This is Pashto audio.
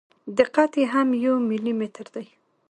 دقت یې هم یو ملي متر دی.